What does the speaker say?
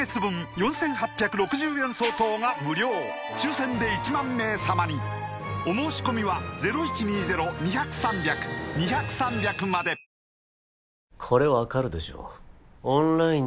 ４８６０円相当が無料抽選で１万名様にお申し込みは「ワイド！